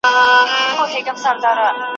زه چي له خزان سره ژړېږم ته به نه ژاړې